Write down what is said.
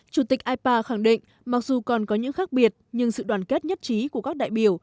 chủ tịch ipa khẳng định mặc dù còn có những khác biệt nhưng sự đoàn kết nhất trí của các đại biểu